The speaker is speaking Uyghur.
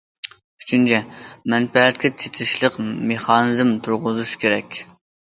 ئۈچىنچى، مەنپەئەتكە چېتىشلىق مېخانىزم تۇرغۇزۇش كېرەك.